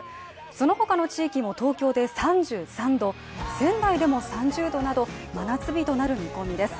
その他の地域も東京で３３℃、仙台でも３０℃など真夏日となる見込みです。